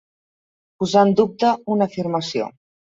Posar en dubte una afirmació.